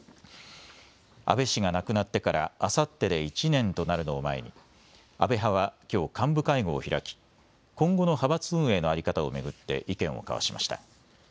安倍氏が亡くなってからあさってで１年となるのを前に安倍派はきょう幹部会合を開き今後の派閥運営の在り方を巡って意見を交わしました。